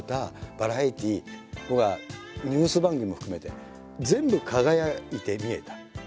バラエティー僕はニュース番組も含めて全部輝いて見えた。